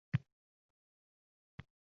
Jonimni hech oʼylaguvchi doʼstu jon yoʼq